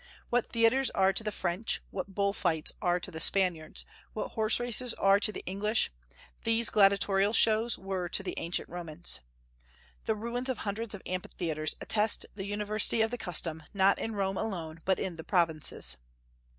What theatres are to the French, what bull fights are to the Spaniards, what horse races are to the English, these gladiatorial shows were to the ancient Romans. The ruins of hundreds of amphitheatres attest the universality of the custom, not in Rome alone, but in the provinces.